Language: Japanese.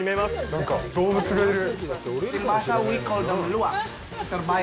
なんか動物がいる。